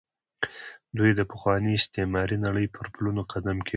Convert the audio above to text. دوی د پخوانۍ استعماري نړۍ پر پلونو قدم کېښود.